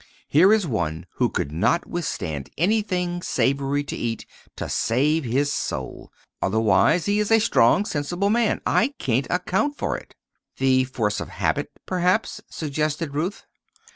Here is one who could not withstand anything savory to eat, to save his soul; otherwise he is a strong, sensible man. I can't account for it." "The force of habit, perhaps," suggested Ruth.